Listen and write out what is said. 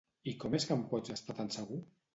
I com és que en pots estar tan segur?